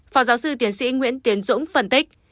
phó giáo sư tiến sĩ nguyễn tiến dũng phân tích